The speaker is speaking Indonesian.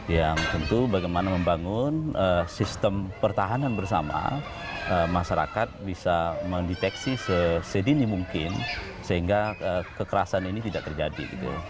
yang tentu bagaimana membangun sistem pertahanan bersama masyarakat bisa mendeteksi sedini mungkin sehingga kekerasan ini tidak terjadi